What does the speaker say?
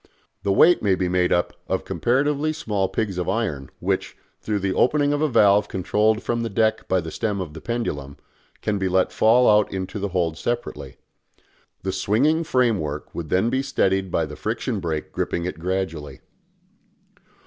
The weight may be made up of comparatively small pigs of iron, which, through the opening of a valve controlled from the deck by the stem of the pendulum, can be let fall out into the hold separately. The swinging framework would then be steadied by the friction brake gripping it gradually.